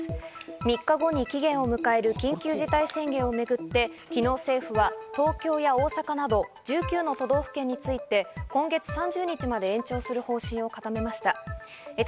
３日後に期限を迎える緊急事態宣言をめぐって、昨日政府は東京や大阪など１９の都道府県について今月３０日まで延長する方針を固めました。